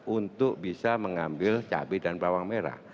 untuk bisa mengambil cabai dan bawang merah